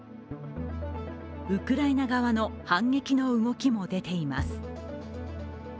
ウクライナ側の反撃の動きも出ています。